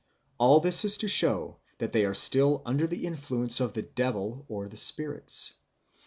All this is to show that they are still under the influence of the devil or the spirits.